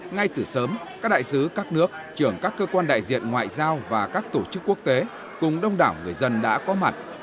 ngay từ sớm các đại sứ các nước trưởng các cơ quan đại diện ngoại giao và các tổ chức quốc tế cùng đông đảo người dân đã có mặt